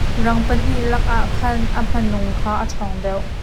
Rang pahnih lak ah khan a hmanung kha a ṭhawng deuh.